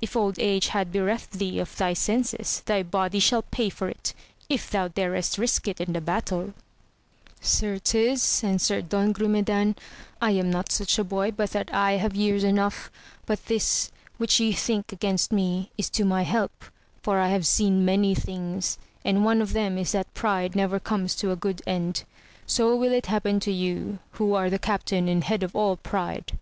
if old age hath bereft thee of thy senses thy body shall pay for it ! if thou darest risk it in the battle, Certes, answered Don Grumedan, I am not such a boy but that I have years enough ; but this which ye think against me, is to my help, for I have seen many things, and one of them is that pride never comes to a good end ; so will it happen to you, who are the captain and head of all pride.